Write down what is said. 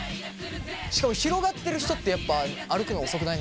しかも広がってる人ってやっぱ歩くのが遅くない？